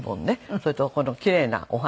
それとこのキレイなお花。